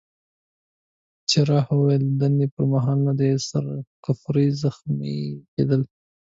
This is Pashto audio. جراح وویل: د دندې پر مهال باندي د سر د کوپړۍ زخمي کېدل.